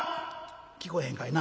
聞こえへんかいな。